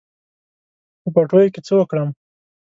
په پټیو کې څه وکړم.